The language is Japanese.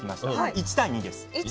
１対２です。